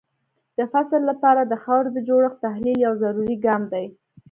د فصل لپاره د خاورې د جوړښت تحلیل یو ضروري ګام دی.